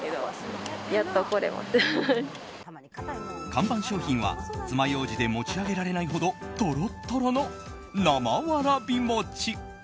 看板商品は、つまようじで持ち上げられないほどとろっとろの生わらびもち。